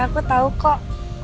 ya aku tahu kok